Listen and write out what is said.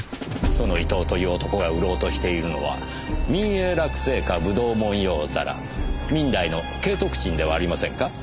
その伊藤という男が売ろうとしているのは明永楽青花葡萄文様皿明代の景徳鎮ではありませんか？